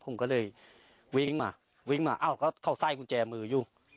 ผมก็เลยวิ่งมาวิ่งมาอ้าวก็เข้าไส้กุญแจมืออยู่